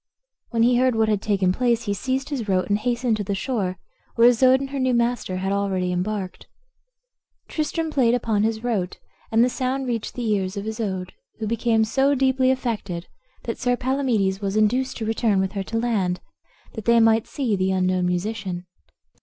When he heard what had taken place he seized his rote, and hastened to the shore, where Isoude and her new master had already embarked. Tristram played upon his rote, and the sound reached the ears of Isoude, who became so deeply affected, that Sir Palamedes was induced to return with her to land, that they might see the unknown musician.